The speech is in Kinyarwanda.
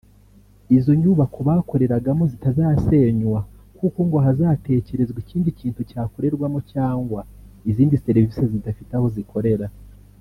izo nyubako bakoreragamo zitazasenywa kuko ngo hazatekerezwa ikindi kintu cyakorerwamo cyangwa izindi serivizi zidafite aho zikorera